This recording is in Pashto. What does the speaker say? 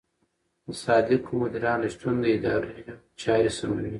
د صادقو مدیرانو شتون د ادارو چارې سموي.